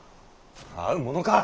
会うものか！